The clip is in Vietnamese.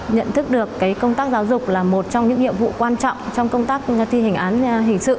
nhận thức được công tác giáo dục là một trong những nhiệm vụ quan trọng trong công tác thi hành án hình sự